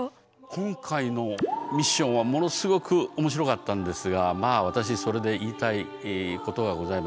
今回のミッションはものすごく面白かったんですがまあ私それで言いたいことがございます。